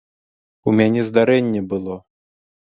У мяне здарэнне было.